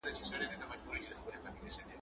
لېوه خره ته ویل ته تر ما هوښیار یې ,